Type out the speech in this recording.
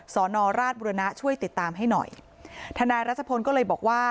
สอนอราชบุรณะช่วยติดตามให้หน่อยทนายรัชพลก็เลยบอกว่า